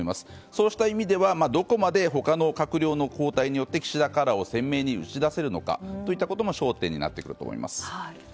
そうした意味では、どこまで他の閣僚の交代によって岸田カラーを鮮明に打ち出せるのかも焦点になってくると思います。